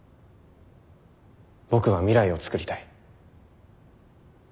僕は未来を創りたい。